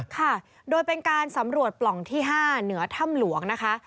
ค่ะโดยเป็นการสำรวจปล่องที่๕เหนือถ้ำหลวงนะคะ